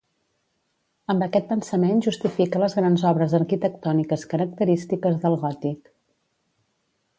Amb aquest pensament justifica les grans obres arquitectòniques característiques del gòtic.